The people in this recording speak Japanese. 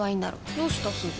どうしたすず？